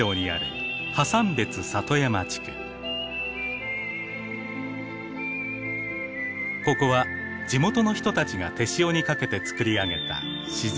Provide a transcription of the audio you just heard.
ここは地元の人たちが手塩にかけてつくり上げた自然の宝庫。